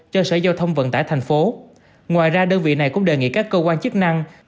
cho sở giao thông vận tải thành phố ngoài ra đơn vị này cũng đề nghị các cơ quan chức năng